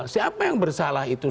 siapa yang bersalah itu